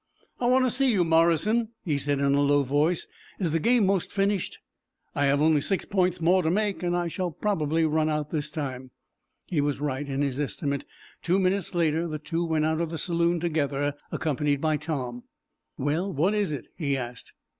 "I want to see you, Morrison," he said, in a low voice. "Is the game 'most finished?" "I have only six points more to make. I shall probably run out this time." He was right in his estimate. Two minutes later the two went out of the saloon together, accompanied by Tom. "Well, what is it?" he asked.